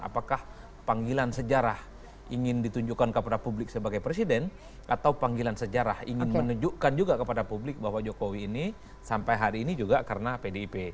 apakah panggilan sejarah ingin ditunjukkan kepada publik sebagai presiden atau panggilan sejarah ingin menunjukkan juga kepada publik bahwa jokowi ini sampai hari ini juga karena pdip